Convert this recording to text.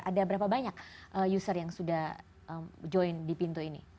ada berapa banyak user yang sudah join di pintu ini